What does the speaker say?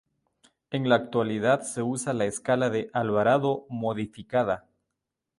En la actualidad se usa la escala de Alvarado modificada.